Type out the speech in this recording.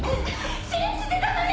信じてたのに！